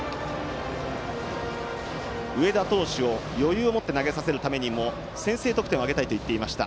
上田投手に余裕を持って投げさせるためにも先制得点を挙げたいと言っていました。